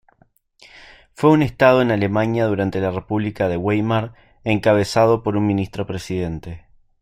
Fue un estado en Alemania durante la República de Weimar, encabezado por un Ministro-Presidente.